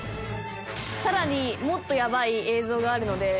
「更にもっとヤバい映像があるので」